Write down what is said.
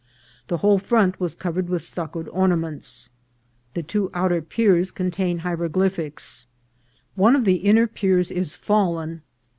The whole front was covered with stuccoed ornaments. The two outer piers con tain hieroglyphics ; one of the inner piers is fallen, and s^ •*^3T?